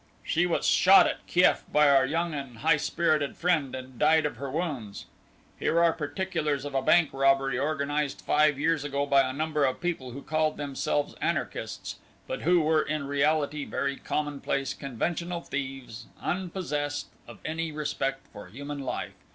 "She was shot at Kieff by our young and high spirited friend, and died of her wounds. Here are particulars of a bank robbery organized five years ago by a number of people who called themselves anarchists, but who were in reality very commonplace, conventional thieves unpossessed of any respect for human life.